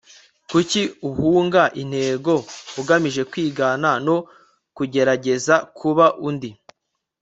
kuki uhunga intego ugamije kwigana no kugerageza kuba undi